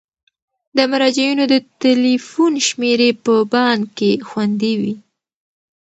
د مراجعینو د تلیفون شمیرې په بانک کې خوندي وي.